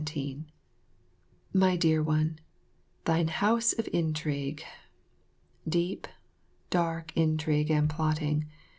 17 My Dear One, Thine house of intrigue. Deep, dark intrigue and plotting.